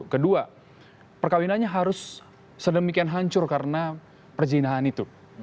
kedua perkawinannya harus sedemikian hancur karena perjinahan itu